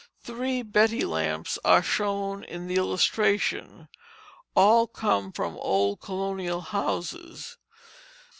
Three betty lamps are shown in the illustration: all came from old colonial houses.